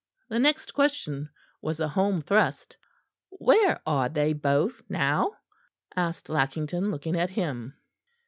The next question was a home thrust. "Where are they both now?" asked Lackington, looking at him.